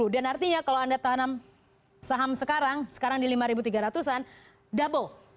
dan artinya kalau anda tanam saham sekarang sekarang di lima tiga ratus an double